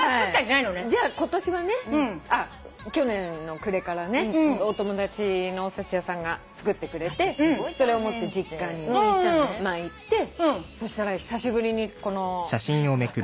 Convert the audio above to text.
今年はね去年の暮れからねお友達のおすし屋さんが作ってくれてそれを持って実家に行ってそしたら久しぶりにこの分かる？